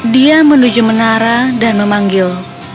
dia menuju menara dan memanggil